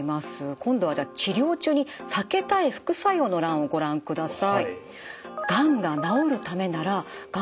今度はじゃあ治療中に避けたい副作用の欄をご覧ください。